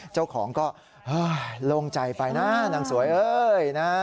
เจ้าของก็โล่งใจไปนะนางสวยเอ้ยนะ